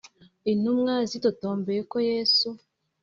Intumwa zitotombeye ko yesu